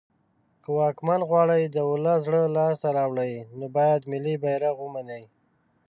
که واکمن غواړی د ولس زړه لاس ته راوړی نو باید ملی بیرغ ومنی